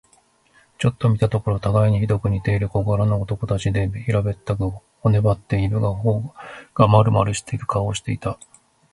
ちょっと見たところ、たがいにひどく似ている小柄な男たちで、平べったく、骨ばってはいるが、頬がまるまるしている顔をしていた。